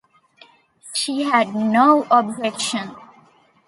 She had no objection.